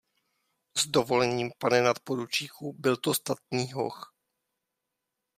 S dovolením, pane nadporučíku, byl to statný hoch.